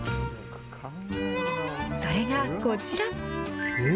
それがこちら。